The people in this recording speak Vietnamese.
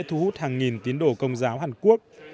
thu hút hàng nghìn tiến đổ công giáo hàn quốc